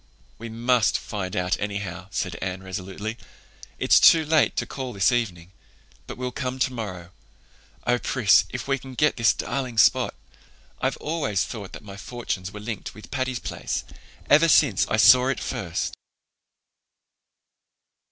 "We must find out anyhow," said Anne resolutely. "It's too late to call this evening, but we'll come tomorrow. Oh, Pris, if we can get this darling spot! I've always felt that my fortunes were linked with Patty's Place, ever since I saw it first."